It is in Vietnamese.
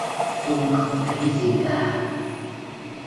Quân không thấy gì cả